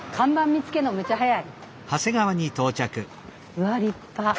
うわ立派。